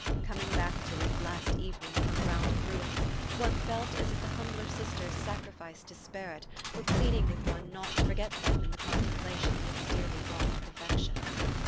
Coming back to it last evening from a round of ruins one felt as if the humbler Sisters sacrificed to spare it were pleading with one not to forget them in the contemplation of its dearly bought perfection.